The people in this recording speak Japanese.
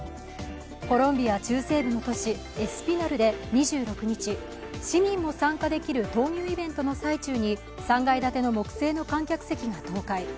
コロンビア中西部の都市エスピナルで２６日、市民も参加できる闘牛イベントの最中に３階建ての木製の観客席が倒壊。